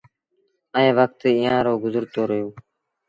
ائيٚݩ وکت ايٚئآݩ رو گزرتو رهيو